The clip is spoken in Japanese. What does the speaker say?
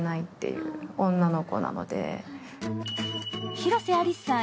広瀬アリスさん